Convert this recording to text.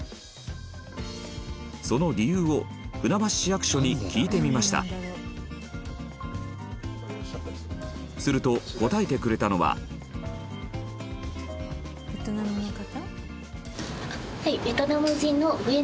その理由を船橋市役所に聞いてみましたすると、答えてくれたのは羽田：ベトナムの方？